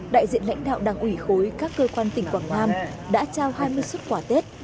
đại diện lãnh đạo đảng ủy khối các cơ quan tỉnh quảng nam đã trao hai mươi xuất quả tết